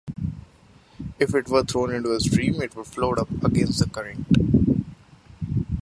If it were thrown into a stream, it would float up against the current.